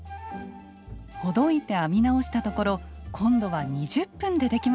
ほどいて編み直したところ今度は２０分でできました。